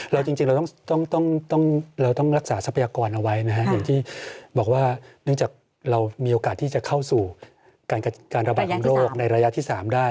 จริงเราต้องเราต้องรักษาทรัพยากรเอาไว้นะฮะอย่างที่บอกว่าเนื่องจากเรามีโอกาสที่จะเข้าสู่การระบาดของโรคในระยะที่๓ได้